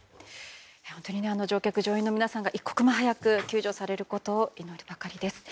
本当に乗客・乗員の皆さんが一刻も早く救助されることを祈るばかりです。